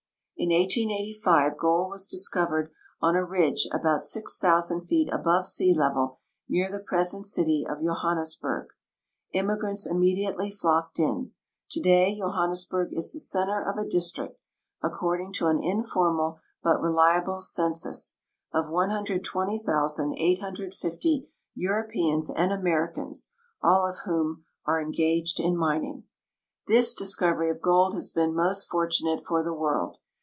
In 1885 gold Avas discovered on a ridge about six thousand feet above sea level, near the present cit}'' of Johannesburg. Im migrants immediately flocked in. Today Johannesburg is the center of a district, according to an informal but relial)le census, of 120,850 Euroj>eans and Americans, all of Avhom are engaged in mining. This discovery of gold has been most fortunate for the Avorld.